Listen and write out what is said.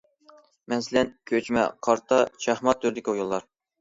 مەسىلەن، كۆچمە قارتا- شاھمات تۈرىدىكى ئويۇنلار.